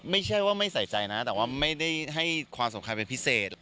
ไม่ใช่ว่าไม่ใส่ใจนะแต่ว่าไม่ได้ให้ความสำคัญเป็นพิเศษ